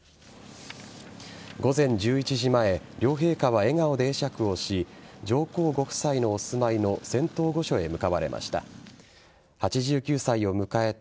午前１１時前両陛下は笑顔で会釈をし上皇ご夫妻のお住まいの仙洞御所へ向かわれました。